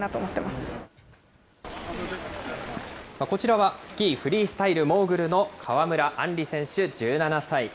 こちらは、スキーフリースタイルモーグルの川村あんり選手１７歳。